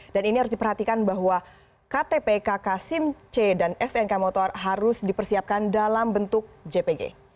dan ini harus diperhatikan bahwa ktp kk simc dan stnk motor harus dipersiapkan dalam bentuk jpg